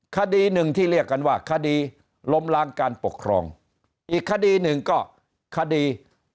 คดีหนึ่งที่เรียกกันว่าคดีล้มล้างการปกครองอีกคดีหนึ่งก็คดี